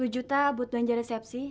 sepuluh juta buat banjar resepsi